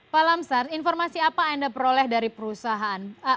pak lamsar informasi apa anda peroleh dari perusahaan